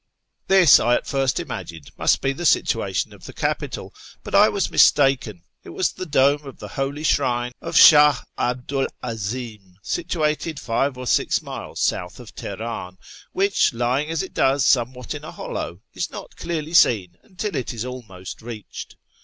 Tliis I at first imagined must be the situation df the capital, hut I was mistaken ; it was the dome of tlie lioly slirinc of 8]i:ih 'Abdu 'I 'Azim, situated five or six miles south of Tehenin, which, lying as it does somewhat in a hollow, is not clearly seen until it is almost reached.